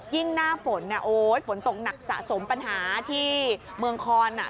ยิ่งหน้าฝนฝนตกหนักสะสมปัญหาที่เมืองคอนน่ะ